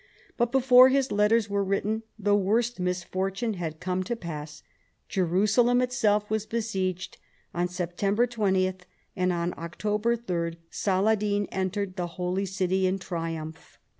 But before his letters were written the worst misfortunes had come to pass. Jerusalem itself was besieged on September 20, and on October 3 Saladin entered the Holy City in triumph.